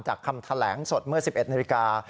คำแถลงสดเมื่อ๑๑นาฬิกา